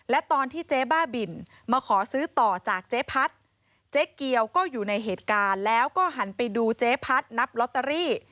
และตอนที่เจ๊บ้าบินมาขอซื้อต่อจากเจ๊พัดเจ๊เกียวก็อยู่ในเหตุการณ์แล้วก็หันไปดูเจ๊พัดนับลอตเตอรี่